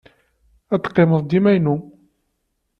Ad teqqimeḍ dima inu.